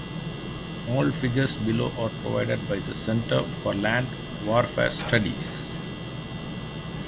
All figures below are provided by the Centre for Land Warfare Studies.